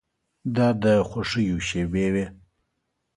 دا د خوښیو شېبې وې.